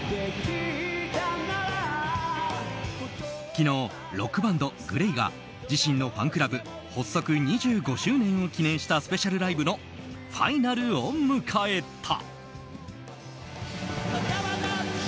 昨日、ロックバンドＧＬＡＹが自身のファンクラブ発足２５周年を記念したスペシャルライブのファイナルを迎えた。